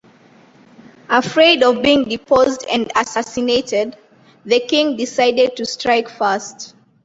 Afraid of being deposed and assassinated, the King decided to strike first.